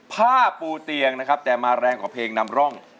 ผ้าปูเตียงนะครับแต่มาแรงกว่าเพลงนำร่อง